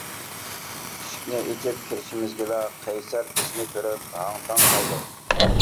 ئىشىكنى ئېچىپ كىرىشىمىزگىلا قەيسەر بىزنى كۆرۈپ ھاڭ تاڭ قالدى.